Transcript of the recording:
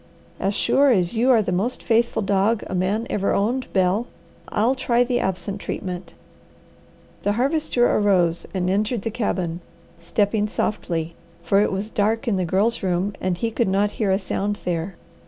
As sure as you are the most faithful dog a man ever owned, Bel, I'll try the absent treatment." The Harvester arose and entered the cabin, stepping softly, for it was dark in the Girl's room, and he could not hear a sound there.